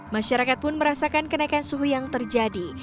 masyarakat pun merasakan kenaikan suhu yang terjadi